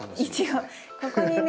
ここにね